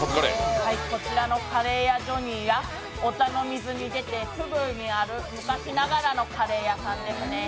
こちらのカレー屋ジョニーは御茶ノ水駅を出てすぐにある昔ながらのカレーやさんですね。